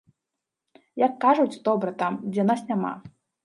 Як кажуць, добра там, дзе нас няма.